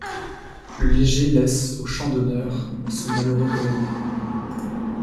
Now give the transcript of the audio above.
Le léger laisse au champ d'honneur son malheureux colonel.